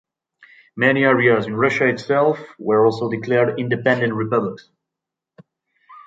Many areas in Russia itself were also declared independent republics.